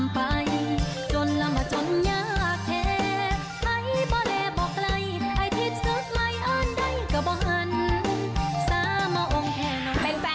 เป็นแฟนไทยรักทีวีทั้งทีแจกกันเลยเซยันตลอดข่าวสวยจ้า